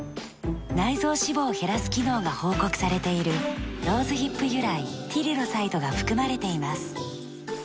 内臓脂肪を減らす機能が報告されているローズヒップ由来ティリロサイドが含まれています。